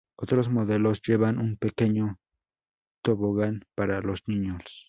Otros modelos llevan un pequeño tobogán para los niños.